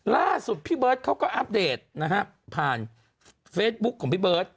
ล่าสุดพี่เบิร์ตเขาก็อัปเดตนะฮะผ่านเฟซบุ๊คของพี่เบิร์ต